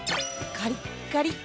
カリッカリ。